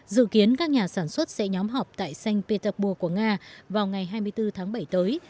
dự kiến các nhà sản xuất sẽ nhóm họp tại xanh peterburg của nga vào ngày hai mươi bốn tháng bảy tới